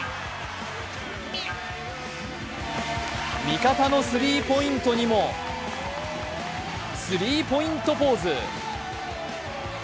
味方のスリーポイントにもスリーポイントポーズ。